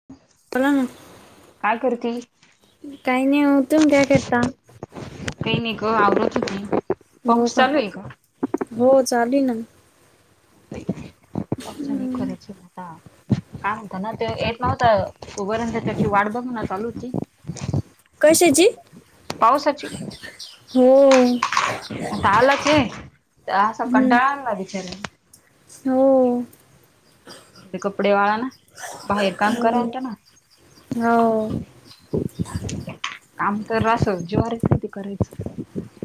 [inaudible] [inaudible] बोलाना. काय करती? काही नई ओ, तुम्ही काय करता.? काही नई ग, आवरत होती. हो पाऊस का, चालू आहे हो चालू ये ना. [unintelligible] हां. काय म्हणता ना, ते येत नव्हता तोपर्यंत त्याची वाट बघनं चालू होती. कशाची? पावसाची हो. आता आलाच हे, तर असा हम्म. कंटाळा आणला बिचाऱ्यांनी हो. ते कपडे वाळंना, बाहेर काम करा वाटंणा. हो काम करा आसं, जीवावर येत ते करायचं.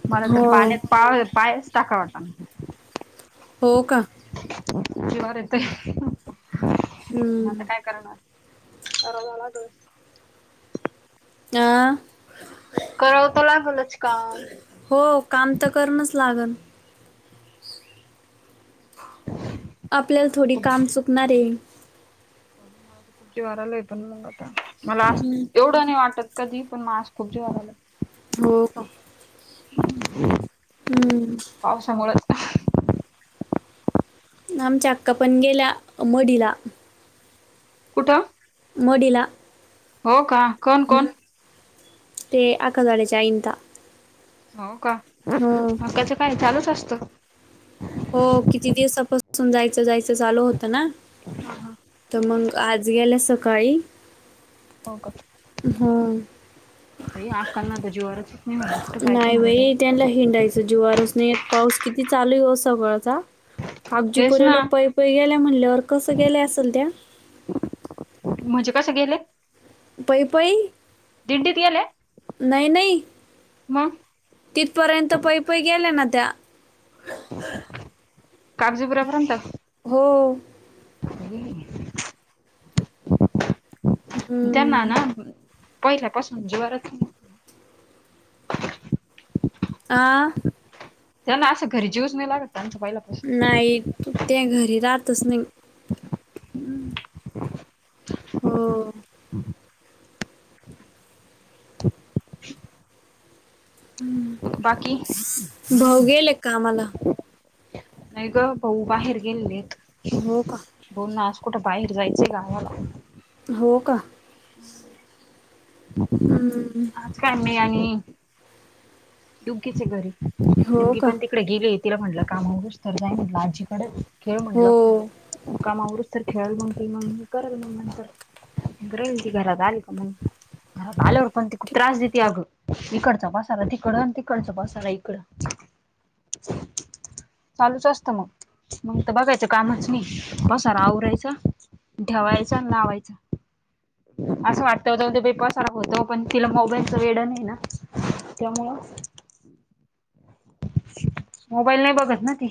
मला तर हो पाण्यात पाय पायच टाका वाटा ना. हो का. जीवावर येतय, पण आता हम्म. काय करणार. कराला लागणं. आं करावं तं लागलच काम. हो काम तर करणंच लागन. आपल्याला थोडी काम चुकणार हे. जिवावर आलाय पण मग आता, मला हम्म. असं एवढं नाही वाटत. कधी पण मा आज खुप जीवावर आलंय. हो का. हो [unintelligible] हम्म. पावसामुळं आमच्या आक्का पण गेल्या, अ मढीला. कुठं? मडीला. हो का. कोण कोण हम्म, ते आका जाळेचे आईंता. हो का मग हो आकाच काय चालूच असत. हो किती दिवसापासून जायचं जायचं चालू होतं ना. हा हा. तर मग आज गेल्या सकाळी हो हो बई आकाला तर जीवावरच येत नाही म्हणंल कुठ जायचं नाही म्हणाल. बाई त्यांना हिंडायचं जीवारच नाही येत पाऊस किती चालू आहे ओ सकाळचा. तेच कागजीपुरे ना लोक पाई पई गेल्या म्हणल्यावर कसं गेल्या असलत्या. म्हणजे कस गेले. पायी पायी दिंडीत गेले नाही नाही मग तिथपर्यंत पै पै गेल्या ना त्या कागजीपुऱ्या पर्यंत. हो. हं. त्यांना हम्म. ना पहिल्या पासून जीवारच नाही. आ त्यांना असं घरी जीवच नाही लागतं त्यांचा पहिल्या नाही त्या घरी राहतच नाही. हो. हं. ह भाऊ गेल क कामला. नाही ग भाऊ बाहेर गेलेलेत. हो का. बोल ना आज कुठं बाहेर जायचं ग आम्हाला. हो का हम्. आज काय मी आणि डूग्गीचे घरी हो डूग्गी का पण तिकड गेली तिला म्हटलं काम होउस तर जाय म्हटलं आजीकड. खेळ हो म्हणटलं काम आवरूस्तर खेळेल मग ती मग मी करल मग नंतर. राहिल ती घरात आली का मग. घरात आल पण ती खूप त्रास देती आग इकडचा पासारा तिकडं. इकड आणि तिकडचा पसारा इकडं चालूच असतं मग. मग तर बघायचं कामच नाही पसारा आवरायचा. ठेवायचा ना लावायचा. असं वाटतं जाऊ दे बाई पसारा होतो पण तिला मोबाईलचं वेड नाही ना. त्यामुळं मोबाईल नाही बघत नाती.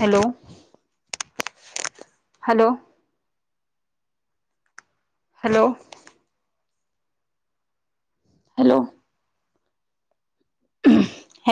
Hello hello. हॅलो. हॅलो. हॅ